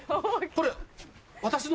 これ。